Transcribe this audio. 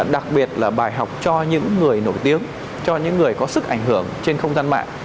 đặc biệt là bài học cho những người nổi tiếng cho những người có sức ảnh hưởng trên không gian mạng